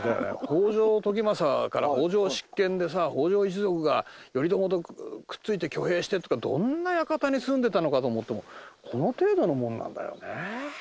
北条時政から北条執権でさ北条一族が頼朝とくっついて挙兵してっていうからどんな館に住んでたのかと思ったらこの程度のものなんだよね。